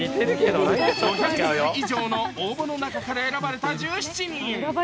５００通以上の応募の中から選ばれた１７人。